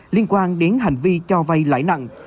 liên quan đến hành vi cho vay lãi nặng